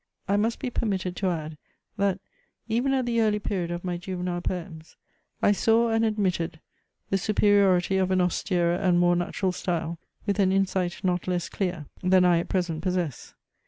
I must be permitted to add, that, even at the early period of my juvenile poems, I saw and admitted the superiority of an austerer and more natural style, with an insight not less clear, than I at present possess.